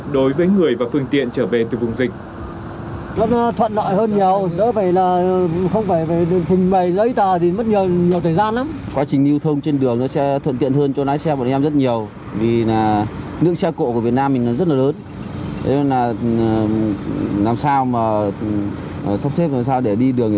đối với người và phương tiện trở về từ vùng rừng